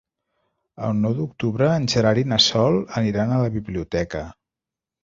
El nou d'octubre en Gerard i na Sol aniran a la biblioteca.